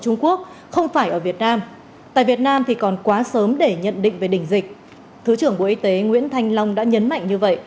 nguyễn thành long thứ trưởng bộ y tế nguyễn thành long đã nhấn mạnh như vậy